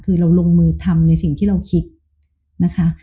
คือเราลงมือทำในสิ่งที่เราคิดนะคะ